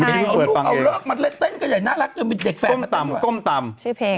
เอาลูกเอาลอกมาเล่นเต้นใหญ่น่ารักมีเด็กแฟนมาเล่นเต้น